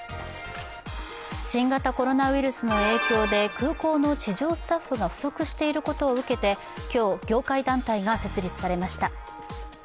新型コロナウイルスの影響で空港の地上スタッフが不足していることを受けて、今日業界団体が設立されました。